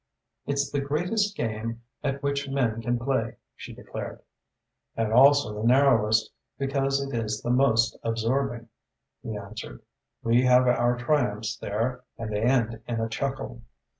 "It's the greatest game at which men can play," she declared. "And also the narrowest because it is the most absorbing," he answered. "We have our triumphs there and they end in a chuckle.